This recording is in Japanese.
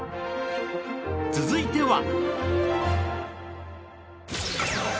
続いては。